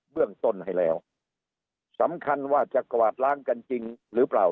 เรื่องต้นให้แล้วสำคัญว่าจะกวาดล้างกันจริงหรือเปล่า